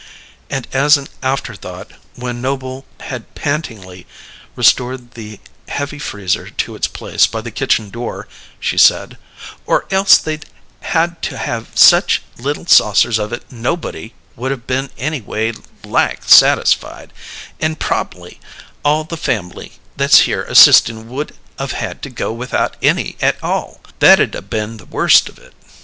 And as an afterthought, when Noble had pantingly restored the heavy freezer to its place by the kitchen door, she said: "Or else they'd had to have such little saucers of it nobody would of been any way like satisfied, and prob'ly all the fam'ly that's here assisting would of had to go without any at all. That'd 'a' been the worst of it!"